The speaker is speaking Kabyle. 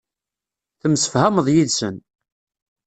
Temsefhameḍ yid-sen.